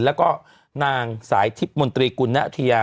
แล้วก็นางสายทิพย์มนตรีกุณฑิยา